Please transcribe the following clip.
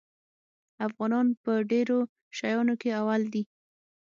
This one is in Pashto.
افغانان په ډېرو شیانو کې اول دي.